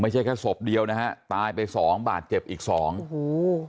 แค่ศพเดียวนะฮะตายไปสองบาทเจ็บอีกสองหู